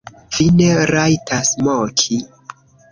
Vi ne rajtas moki!